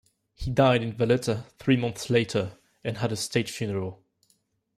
He died in Valletta three months later and had a state funeral.